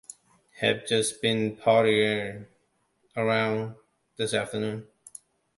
Have just been pottering around this afternoon.